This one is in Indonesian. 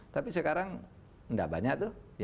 tapi sekarang tidak banyak yang membahas itu